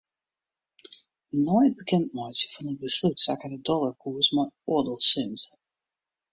Nei it bekendmeitsjen fan it beslút sakke de dollarkoers mei oardel sint.